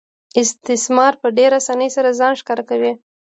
استثمار په ډېرې اسانۍ سره ځان ښکاره کوي